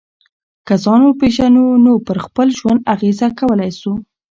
که ځان وپېژنو نو پر خپل ژوند اغېزه کولای سو.